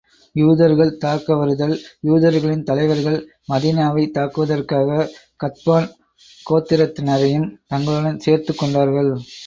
யூதர்கள் தாக்க வருதல் யூதர்களின் தலைவர்கள் மதீனாவைத் தாக்குவதற்காக, கத்பான் கோத்திரத்தினரையும் தங்களுடன் சேர்த்துக் கொண்டார்கள்.